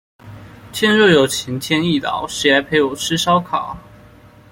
天若有情天亦老，誰來陪我吃燒烤